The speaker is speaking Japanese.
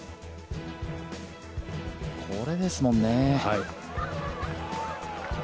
これですもんね。